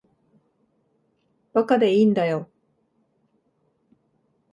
馬鹿でいいんだよ。